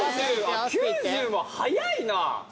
９０も速いな。